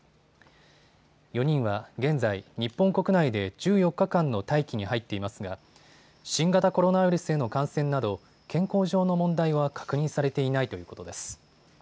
４人は現在、日本国内で１４日間の待機に入っていますが新型コロナウイルスへの感染など健康上の問題は確認されていないということです。